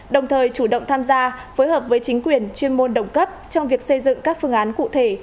đồng thời chủ động tham gia phối hợp với chính quyền chuyên môn đồng cấp trong việc xây dựng các phương án cụ thể